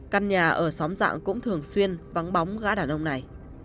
căn nhà ở xóm dạng cũng thường xuyên vắng bóng gã đàn ông này